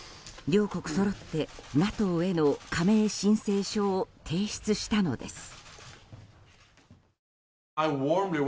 両国そろってＮＡＴＯへの加盟申請書を提出したのです。